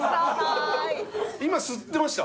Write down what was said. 今吸ってました？